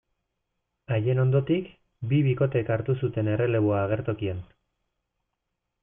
Haien ondotik, bi bikotek hartu zuten erreleboa agertokian.